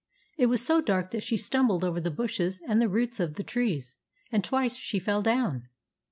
It was so dark that she stumbled over the bushes and the roots of the trees, and twice she fell down.